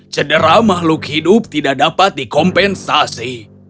cedera makhluk hidup tidak dapat dikompensasi